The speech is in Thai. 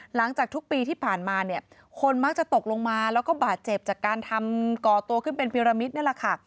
หลังจากทุกปีที่ผ่านมาคนมักจะตกลงมาก็บาดเจ็บจากการทำก่อตัวขึ้นเป็นปีรามิตนั่นแหละก